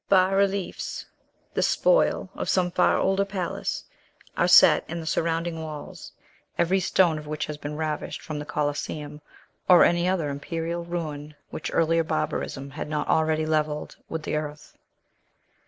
Bas reliefs, the spoil of some far older palace, are set in the surrounding walls, every stone of which has been ravished from the Coliseum, or any other imperial ruin which earlier barbarism had not already levelled with the earth.